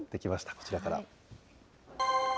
こちらから。